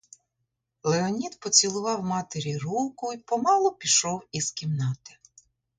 Леонід поцілував матері руку й помалу пішов із кімнати.